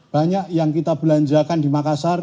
banyak yang kita belanjakan di makassar